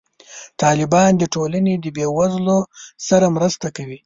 طالبان د ټولنې د بې وزلو سره مرسته کوي.